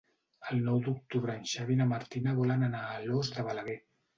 El nou d'octubre en Xavi i na Martina volen anar a Alòs de Balaguer.